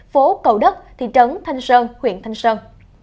phố cầu đất thị trấn thanh sơn huyện thanh sơn